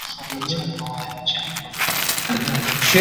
د قریشو مشري ابو سفیان کوله.